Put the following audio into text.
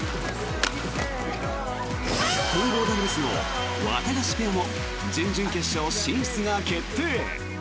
混合ダブルスのワタガシペアも準々決勝進出が決定！